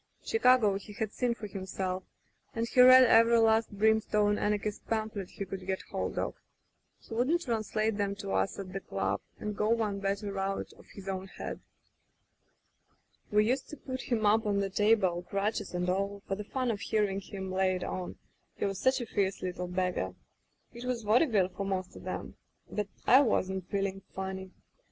Chicago he had seen for himself, and he read every last brim stone anarchist pamphlet he could get hold of. He would translate 'em to us at the club and go one better out of his own head. "We used to put him up on the table, crutches and all, for the fun of hearing him lay it on — he was such a fierce little beggar. It was vaudeville for most of *em. But I wasn't feeling funny.